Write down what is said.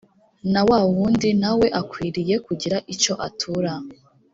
na wa wundi na we akwiriye kugira icyo atura